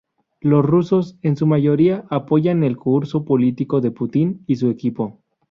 Los rusos, en su mayoría, apoyan el curso político de Putin y su equipo.